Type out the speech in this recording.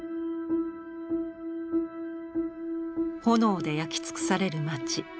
炎で焼き尽くされる町。